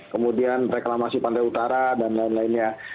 kemudian reklamasi pantai utara dan lain lainnya